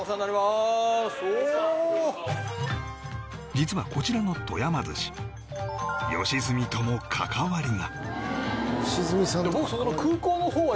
実はこちらのとやま鮨良純とも関わりが